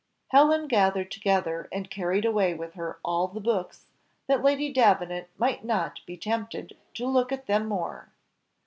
Helen gathered together and carried away with her all the books, that Lady Davenant might not be tempted to look at them more.